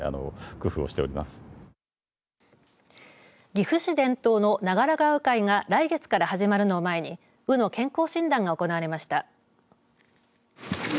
岐阜市伝統の長良川鵜飼が来月から始まるのを前に鵜の健康診断が行われました。